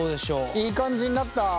いい感じになった？